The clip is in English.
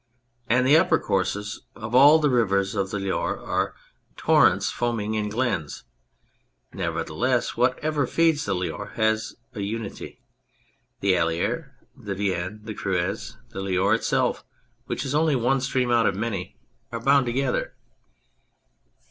And the upper courses of all the rivers of the Loire are torrents foaming in glens. Nevertheless, what ever feeds the Loire has a unity. The Allier, the Vienne, the Creuse, the Loire itself (which is only one stream out of many) are bound together.